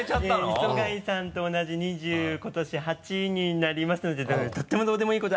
磯貝さんと同じ今年２８になりますというとってもどうでもいいこと。